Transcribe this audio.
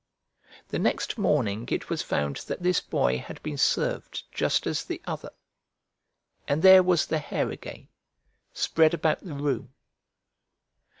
The next morning it was found that this boy had been served just as the other, and there was the hair again, spread about the room.